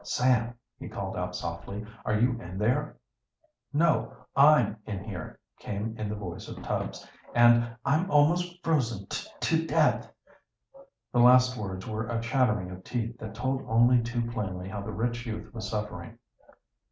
"Sam!" he called out softly. "Are you in there?" "No; I'm in here," came in the voice of Tubbs. "And I'm almost frozen to to death." The last words with a chattering of teeth that told only too plainly how the rich youth was suffering.